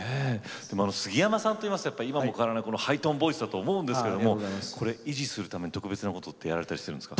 杉山さんというと今も変わらないハイトーンボイスだと思うんですけどこれ、維持するために特別なことってやられたりしてるんですか？